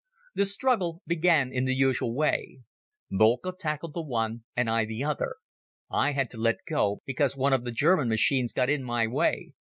The struggle began in the usual way. Boelcke tackled the one and I the other. I had to let go because one of the German machines got in my way.